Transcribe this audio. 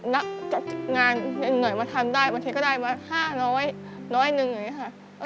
รักจับงานหน่อยมาทำได้มาเท็จก็ได้มา๕น้อยหนึ่งเลยค่ะ